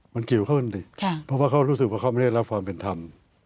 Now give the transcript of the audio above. มันเกี่ยวข้องกันดิเพราะว่าเขารู้สึกว่าเขาไม่ได้รับความเป็นธรรม